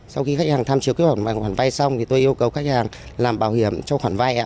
sau khi khách hàng tham chiếu kích hoạt khoản vay xong thì tôi yêu cầu khách hàng làm bảo hiểm cho khoản vay ạ